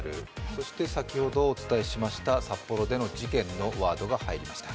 そして先ほどお伝えしました札幌での事件のワードが入りました。